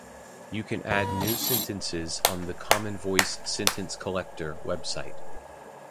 You can add new sentences on the "Common Voice Sentence Collector" website.